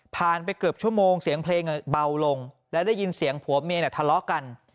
ไปเกือบชั่วโมงเสียงเพลงเบาลงและได้ยินเสียงผัวเมียเนี่ยทะเลาะกัน